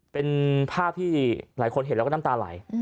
เป็นภาพที่หลายคนเห็นแล้วก็น้ำตาไหล